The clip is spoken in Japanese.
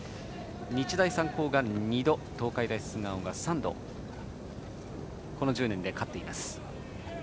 日大三高が２度東海大菅生が３度この１０年で勝っています。